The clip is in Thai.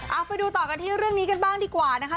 เอาไปดูต่อกันที่เรื่องนี้กันบ้างดีกว่านะคะ